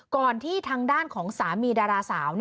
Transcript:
ที่ทางด้านของสามีดาราสาว